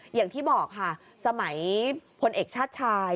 อย่างที่บอกค่ะสมัยพลเอกชาติชาย